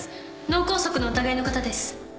脳梗塞の疑いの方です